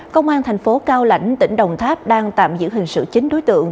công an tp cao lãnh tỉnh đồng tháp đang tạm giữ hình sự chính đối tượng